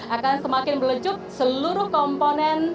akan semakin melecut seluruh komponen